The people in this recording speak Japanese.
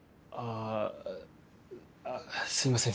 あっすいません。